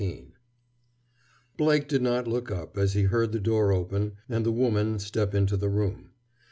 XIX Blake did not look up as he heard the door open and the woman step into the room.